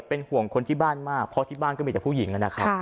เป็นห่วงคนที่บ้านมากเพราะที่บ้านก็มีแต่ผู้หญิงนะครับ